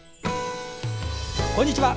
こんにちは。